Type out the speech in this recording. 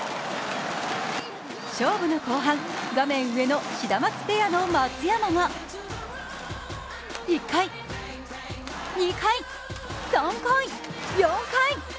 勝負の後半、画面上のシダマツペアの松山が１回、２回、３回、４回、５回！